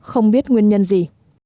không biết nguyên nhân gì